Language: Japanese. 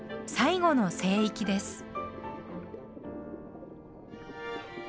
最後の聖域です。